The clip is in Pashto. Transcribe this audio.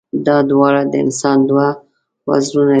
دا دواړه د انسان دوه وزرونه دي.